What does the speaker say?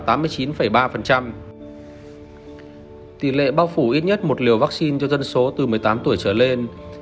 tỷ lệ bao phủ ít nhất một liều vaccine cho dân số từ một mươi tám tuổi trở lên